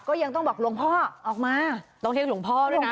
ก็ยังต้องบอกหลวงพ่อออกมาต้องเรียกหลวงพ่อด้วยนะ